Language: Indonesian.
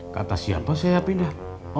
kata siapa saya pindah